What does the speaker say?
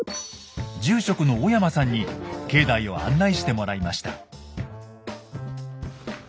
住職の小山さんに境内を案内してもらいました。